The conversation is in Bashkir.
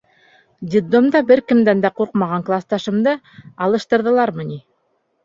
Детдомда бер кемдән дә ҡурҡмаған класташымды алыштырҙылармы ни?